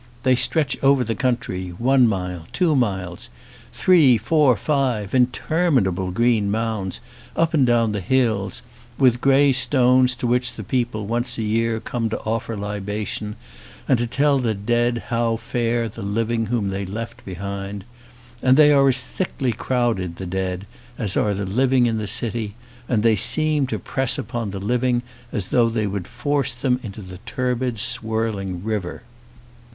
They stretch over the country, one mile, two miles, three, four, five, in terminable green mounds, up and down the hills, with grey stones to which the people once a year come to offer libation and to tell the dead how fare the living whom they left behind; and they are as thickly crowded, the dead, as are the living in the city ; and they seem to press upon the living as though they would force them into the turbid, swirling river.